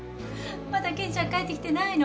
まだ健ちゃん帰ってきてないの？